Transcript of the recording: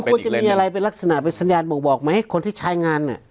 ควรจะมีอะไรเป็นลักษณะเป็นสัญญาณบ่งบอกไหมให้คนที่ใช้งาน